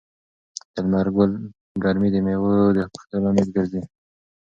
د لمر ګرمي د مېوو د پخېدو لامل ګرځي.